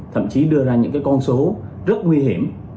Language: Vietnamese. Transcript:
thậm chí đưa ra những con số rất nguy hiểm